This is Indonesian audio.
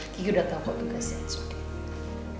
kiki udah tau kau tugasnya